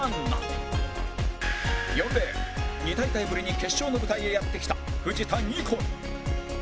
４レーン２大会ぶりに決勝の舞台へやってきた藤田ニコル